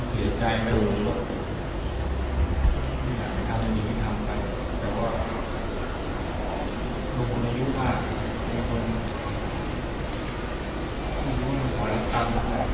เกลียดใจไม่รู้ไม่อยากไปทำอย่างนี้ไปทำกันแต่ว่าหลุมคนในยุค่ะเป็นคน